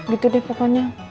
gitu deh pokoknya